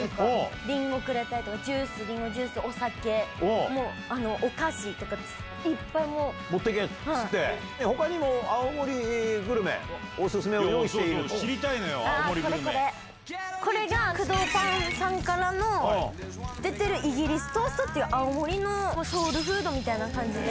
りんごくれたりとか、ジュース、お酒、もう、お菓子とか、いっぱ持ってけっつって？ほかにも青森グルメ、お勧め、知りたいのよ、これこれ、これが工藤パンさんからの出てるイギリストーストっていう、青森のソウルフードみたいな感じで。